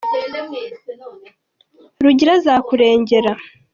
Rugira azakurengera